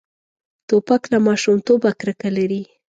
توپک له ماشومتوبه کرکه لري.